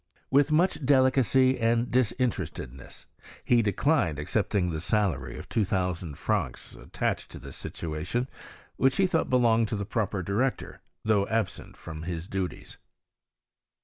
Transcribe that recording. With much delicacy and disinterested ness, he declined accepting the salary of 2000 francs attached to this situation, which he thought belonged to the proper director, though absent from his duties.